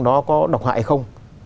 nó có độc hại hay không